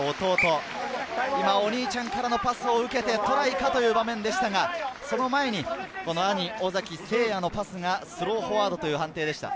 お兄ちゃんからのパスを受けてトライかという場面でしたが、その前に兄・尾崎晟也のパスがスローフォワードという判定でした。